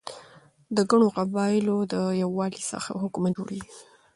د ګڼو قبایلو د یووالي څخه حکومت جوړيږي.